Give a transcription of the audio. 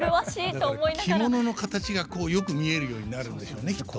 だから着物の形がこうよく見えるようになるんでしょうねきっと。